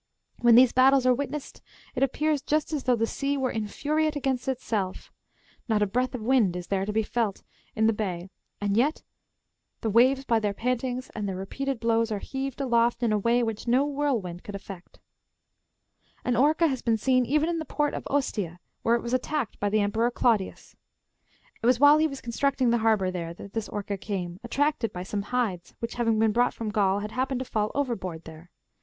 When these battles are witnessed, it appears just as though the sea were infuriate against itself ; not a breath of wind is there to be felt in the bay, and yet the waves by their pantings and their repeated blows are heaved aloft in a way which no whirl wind could effect. An orca has been seen even in the port of Ostia, where it was attacked by the Emperor Claudius. It was while he was constructing the harbour ^^ there that this orca came, attracted by some hides which, having been brought from Gaul, had happened to fall overboard ^^ there.